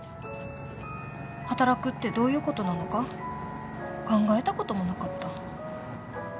働くってどういうことなのか考えたこともなかった。